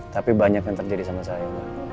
tapi banyak yang terjadi sama saya